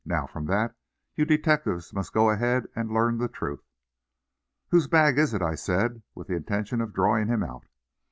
Now from that, you detectives must go ahead and learn the truth." "Whose bag is it?" I said, with the intention of drawing him out.